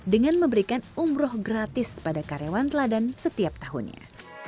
dengan memberikan umroh gratis pada karyawan teladan setiap tahunnya